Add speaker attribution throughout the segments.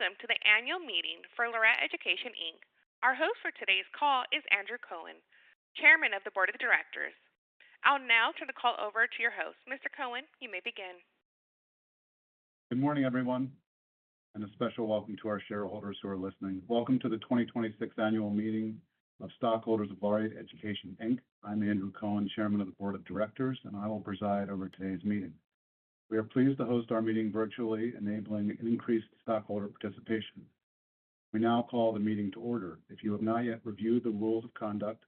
Speaker 1: Welcome to the annual meeting for Laureate Education, Inc. Our host for today's call is Andrew Cohen, Chairman of the Board of Directors. I'll now turn the call over to your host. Mr. Cohen, you may begin.
Speaker 2: Good morning, everyone, and a special welcome to our shareholders who are listening. Welcome to the 2026 annual meeting of stockholders of Laureate Education, Inc. I'm Andrew Cohen, Chairman of the Board of Directors, and I will preside over today's meeting. We are pleased to host our meeting virtually, enabling increased stockholder participation. We now call the meeting to order. If you have not yet reviewed the rules of conduct,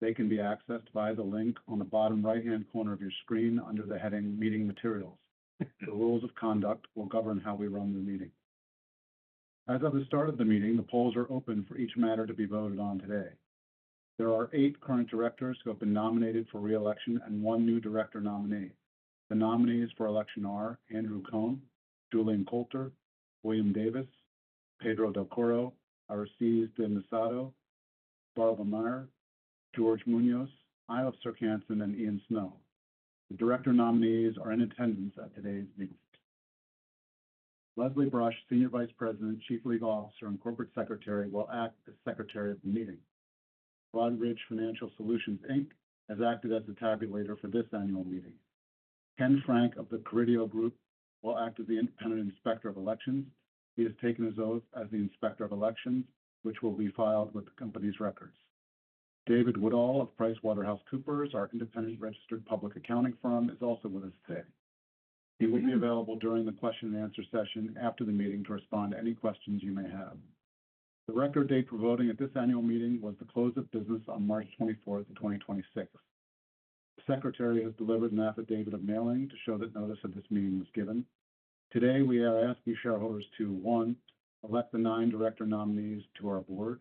Speaker 2: they can be accessed via the link on the bottom right-hand corner of your screen under the heading Meeting Materials. The rules of conduct will govern how we run the meeting. As of the start of the meeting, the polls are open for each matter to be voted on today. There are eight current directors who have been nominated for re-election and one new director nominee. The nominees for election are Andrew Cohen, Julian Coulter, William Davis, Pedro del Corro, Aristides de Macedo, Barbara Mair, George Muñoz, Eilif Serck-Hanssen, and Ian Snow. The director nominees are in attendance at today's meeting. Leslie Brush, Senior Vice President, Chief Legal Officer, and Corporate Secretary, will act as secretary of the meeting. Broadridge Financial Solutions, Inc. has acted as the tabulator for this annual meeting. Ken Frank of The Carideo Group will act as the independent inspector of elections. He has taken his oath as the inspector of elections, which will be filed with the company's records. David Woodall of PricewaterhouseCoopers, our independent registered public accounting firm, is also with us today. He will be available during the question and answer session after the meeting to respond to any questions you may have. The record date for voting at this annual meeting was the close of business on March 24, 2026. The secretary has delivered an affidavit of mailing to show that notice of this meeting was given. Today, we are asking shareholders to, one, elect the nine director nominees to our board.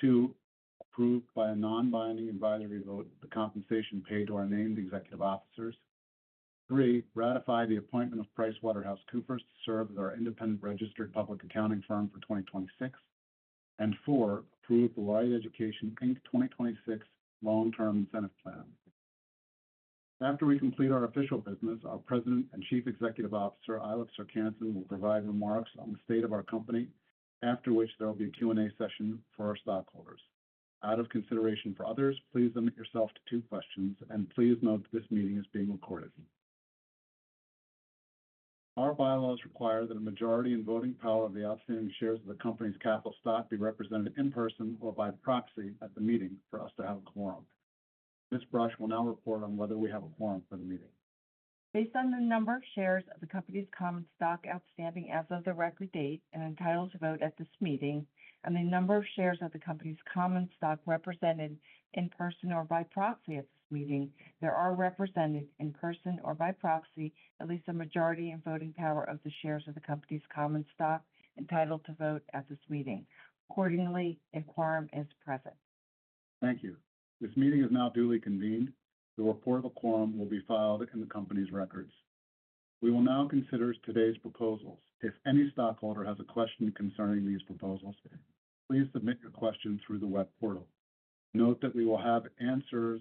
Speaker 2: Two, approve by a non-binding advisory vote the compensation paid to our named executive officers. Three, ratify the appointment of PricewaterhouseCoopers to serve as our independent registered public accounting firm for 2026. Four, approve the Laureate Education, Inc. 2026 Long-Term Incentive Plan. After we complete our official business, our President and Chief Executive Officer, Eilif Serck-Hanssen, will provide remarks on the state of our company, after which there will be a Q&A session for our stockholders. Out of consideration for others, please limit yourself to two questions, and please note that this meeting is being recorded. Our bylaws require that a majority in voting power of the outstanding shares of the company's capital stock be represented in person or by proxy at the meeting for us to have a quorum. Ms. Brush will now report on whether we have a quorum for the meeting.
Speaker 3: Based on the number of shares of the company's common stock outstanding as of the record date and entitled to vote at this meeting, and the number of shares of the company's common stock represented in person or by proxy at this meeting, there are represented in person or by proxy, at least a majority in voting power of the shares of the company's common stock entitled to vote at this meeting. Accordingly, a quorum is present.
Speaker 2: Thank you. This meeting is now duly convened. The report of a quorum will be filed in the company's records. We will now consider today's proposals. If any stockholder has a question concerning these proposals, please submit your question through the web portal. Note that we will answer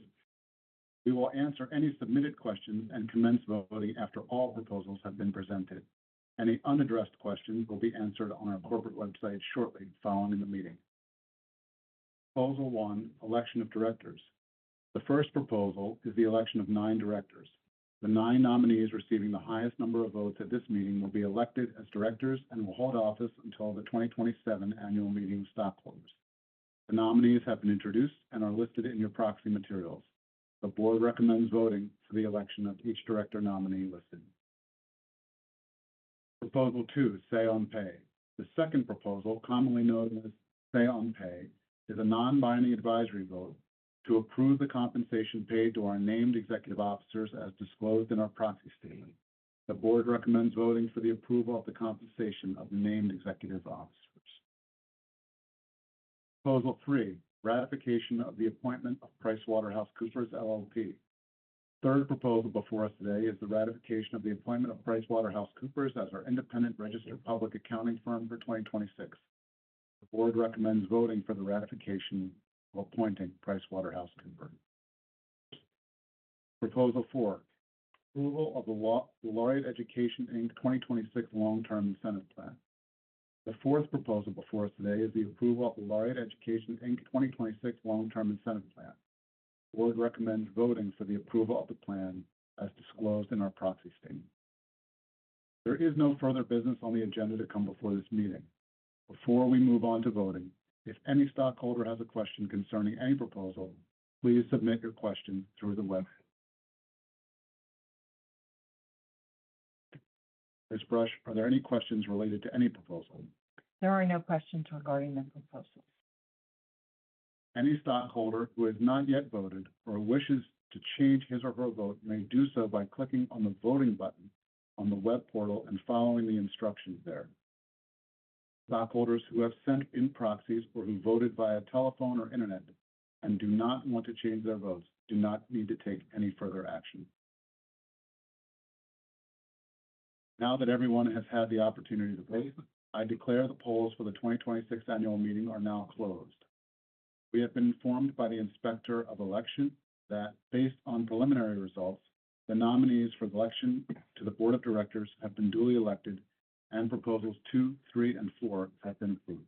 Speaker 2: any submitted questions and commence voting after all proposals have been presented. Any unaddressed questions will be answered on our corporate website shortly following the meeting. Proposal 1, election of directors. The first proposal is the election of nine directors. The nine nominees receiving the highest number of votes at this meeting will be elected as directors and will hold office until the 2027 annual meeting of stockholders. The nominees have been introduced and are listed in your proxy materials. The board recommends voting for the election of each director nominee listed. Proposal 2, say-on-pay. The second proposal, commonly known as say-on-pay, is a non-binding advisory vote to approve the compensation paid to our named executive officers as disclosed in our proxy statement. The Board recommends voting for the approval of the compensation of named executive officers. Proposal 3, ratification of the appointment of PricewaterhouseCoopers LLP. Third proposal before us today is the ratification of the appointment of PricewaterhouseCoopers as our independent registered public accounting firm for 2026. The Board recommends voting for the ratification of appointing PricewaterhouseCoopers. Proposal 4, approval of the Laureate Education, Inc. 2026 Long-Term Incentive Plan. The fourth proposal before us today is the approval of the Laureate Education, Inc. 2026 Long-Term Incentive Plan. The Board recommends voting for the approval of the plan as disclosed in our proxy statement. There is no further business on the agenda to come before this meeting. Before we move on to voting, if any stockholder has a question concerning any proposal, please submit your question through the web. Ms. Brush, are there any questions related to any proposal?
Speaker 3: There are no questions regarding the proposals.
Speaker 2: Any stockholder who has not yet voted or wishes to change his or her vote may do so by clicking on the voting button on the web portal, and following the instructions there. Stockholders who have sent in proxies or who voted via telephone or internet and do not want to change their votes do not need to take any further action. Now that everyone has had the opportunity to vote, I declare the polls for the 2026 annual meeting are now closed. We have been informed by the Inspector of Elections that based on preliminary results, the nominees for the election to the Board of Directors have been duly elected, and proposals 2, 3, and 4 have been approved.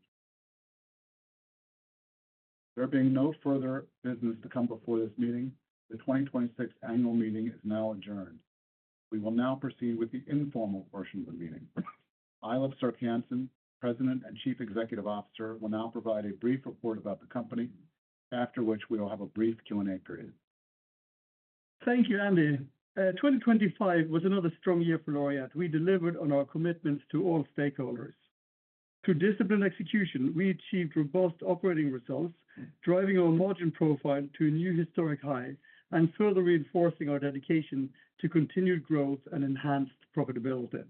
Speaker 2: There being no further business to come before this meeting, the 2026 annual meeting is now adjourned. We will now proceed with the informal portion of the meeting. Eilif Serck-Hanssen, President and Chief Executive Officer, will now provide a brief report about the company, after which we will have a brief Q&A period.
Speaker 4: Thank you, Andy. 2025 was another strong year for Laureate. We delivered on our commitments to all stakeholders. Through disciplined execution, we achieved robust operating results, driving our margin profile to a new historic high and further reinforcing our dedication to continued growth and enhanced profitability.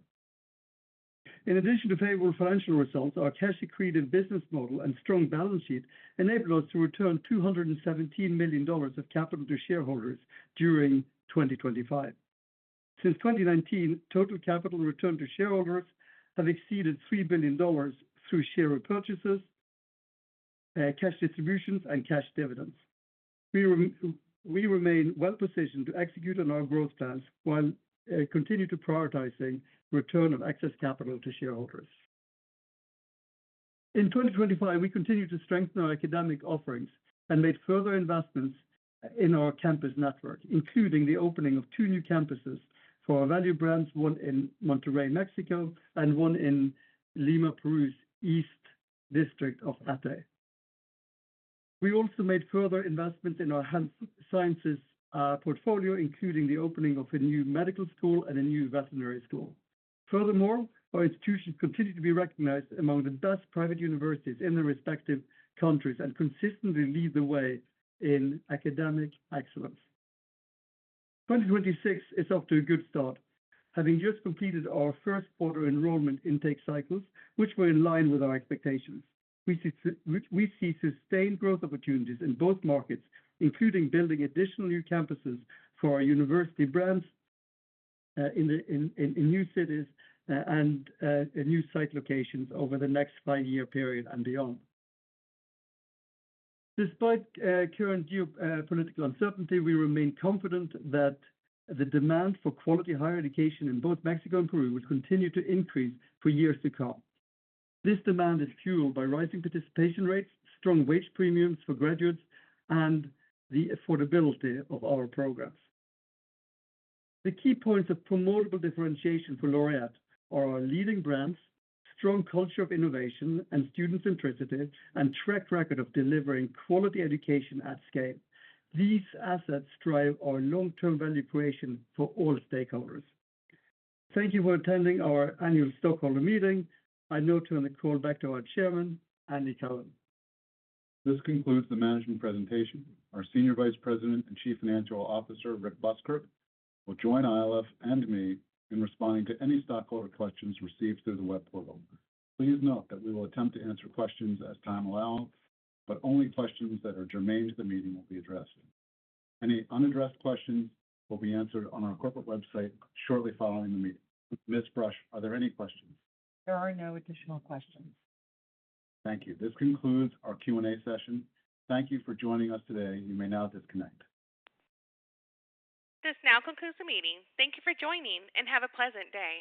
Speaker 4: In addition to favorable financial results, our cash-accretive business model and strong balance sheet enabled us to return $217 million of capital to shareholders during 2025. Since 2019, total capital return to shareholders have exceeded $3 billion through share repurchases, cash distributions, and cash dividends. We remain well-positioned to execute on our growth plans while continuing to prioritize the return of excess capital to shareholders. In 2025, we continued to strengthen our academic offerings and made further investments in our campus network, including the opening of two new campuses for our value brands, one in Monterrey, Mexico, and one in Lima, Peru's east district of Ate. We also made further investments in our health sciences portfolio, including the opening of a new medical school and a new veterinary school. Our institutions continue to be recognized among the best private universities in their respective countries and consistently lead the way in academic excellence. 2026 is off to a good start, having just completed our first quarter enrollment intake cycles, which were in line with our expectations. We see sustained growth opportunities in both markets, including building additional new campuses for our university brands, in new cities and new site locations over the next five-year period and beyond. Despite current geopolitical uncertainty, we remain confident that the demand for quality higher education in both Mexico and Peru will continue to increase for years to come. This demand is fueled by rising participation rates, strong wage premiums for graduates, and the affordability of our programs. The key points of promotable differentiation for Laureate are our leading brands, strong culture of innovation and student centricity, and track record of delivering quality education at scale. These assets drive our long-term value creation for all stakeholders. Thank you for attending our annual stockholder meeting. I now turn the call back to our Chairman, Andrew Cohen.
Speaker 2: This concludes the management presentation. Our Senior Vice President and Chief Financial Officer, Rick Buskirk, will join Eilif and me in responding to any stockholder questions received through the web portal. Please note that we will attempt to answer questions as time allows, but only questions that are germane to the meeting will be addressed. Any unaddressed questions will be answered on our corporate website shortly following the meeting. Ms. Brush, are there any questions?
Speaker 3: There are no additional questions.
Speaker 2: Thank you. This concludes our Q&A session. Thank you for joining us today. You may now disconnect.
Speaker 1: This now concludes the meeting. Thank you for joining, and have a pleasant day.